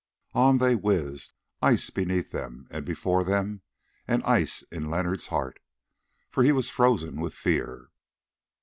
On they whizzed, ice beneath them and before them, and ice in Leonard's heart, for he was frozen with fear.